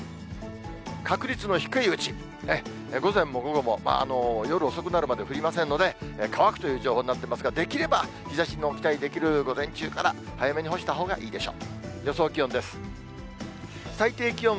確率の低いうち、午前も午後も、夜遅くなるまで降りませんので、乾くという情報になってますが、できれば日ざしの期待できる午前中から、早めに干したほうがいいでしょう。